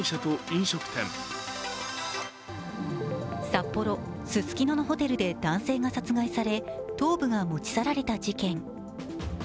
札幌・ススキノのホテルで男性が殺害され頭部が持ち去られた事件。